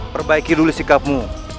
perbaiki dulu sikapmu